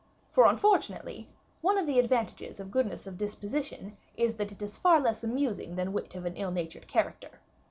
For, unfortunately, one of the advantages of goodness of disposition is that it is far less amusing than wit of an ill natured character.